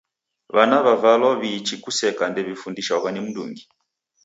W'ana w'avalwa w'iichi kuseka ndew'ifundishwagha ni mndungi.